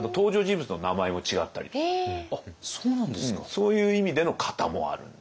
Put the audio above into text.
そういう意味での型もあるんで。